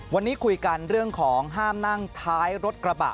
วันนี้คุยกันเรื่องของห้ามนั่งท้ายรถกระบะ